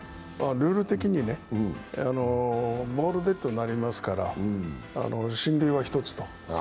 ルール的にね、ボールデッドになりますから進塁は１つと。